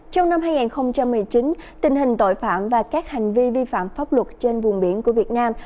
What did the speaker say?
trong năm hai nghìn một mươi chín tình hình tội phạm và các hành vi vi phạm pháp luật trên vùng biển của việt nam